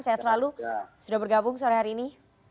sehat selalu sudah bergabung sore hari ini